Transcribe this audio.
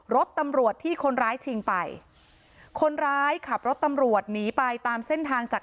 รถตำรวจที่คนร้ายชิงไปคนร้ายขับรถตำรวจหนีไปตามเส้นทางจาก